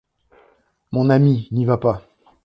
Mon ami, n’y va pas…